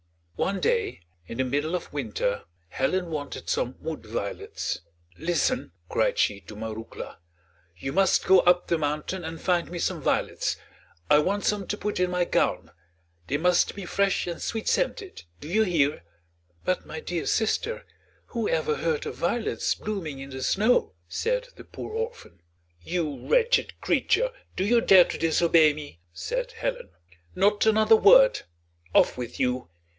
One day in the middle of winter Helen wanted some wood violets. "Listen," cried she to Marouckla; "you must go up the mountain and find me some violets, I want some to put in my gown; they must be fresh and sweet scented do you hear?" "But, my dear sister, who ever heard of violets blooming in the snow?" said the poor orphan. "You wretched creature! Do you dare to disobey me?" said Helen. "Not another word; off with you.